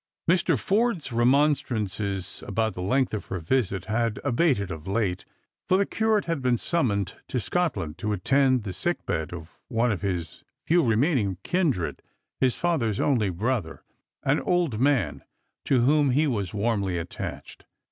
Mr. Forde's remonstrances about the length of her visit had abated of late, for the Curate had been summoned to Scotland, to attend the sick bed of one of his few remaining kindred, hig father's only brother, an old man to whom he was warmly attached.